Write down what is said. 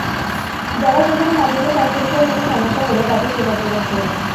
যাঁরা সেখানে হাজিদের স্বাস্থ্যবিষয়ক কোনো সমস্যা হলে তাঁদের সেবা প্রদান করবেন।